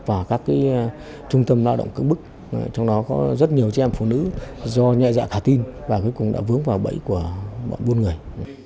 và các trung tâm lao động cứng bức trong đó có rất nhiều trẻ em phụ nữ do nhạy dạ thả tin và cuối cùng đã vướng vào bẫy của bọn vô người